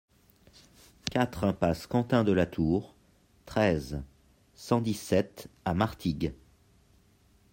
quatre impasse Quentin de la Tour, treize, cent dix-sept à Martigues